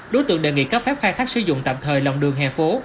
đối tượng đề nghị cấp phép khai thác sử dụng tạm thời lòng đường hè phố